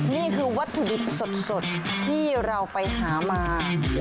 นี่คือวัตถุดิบสดที่เราไปหามา